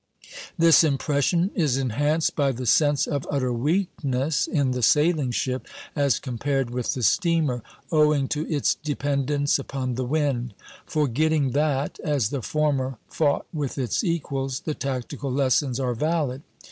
This impression is enhanced by the sense of utter weakness in the sailing ship as compared with the steamer, owing to its dependence upon the wind; forgetting that, as the former fought with its equals, the tactical lessons are valid.